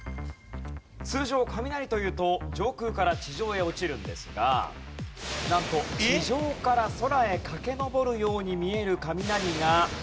通常雷というと上空から地上へ落ちるんですがなんと地上から空へ駆け上るように見える雷があるんです。